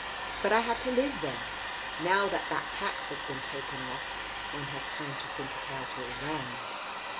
But I had to live, then ! Now that that tax has been taken off, one has time to think it out all round.